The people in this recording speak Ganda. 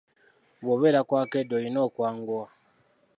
Bw'obeera ku akeedi oyina okwanguwa.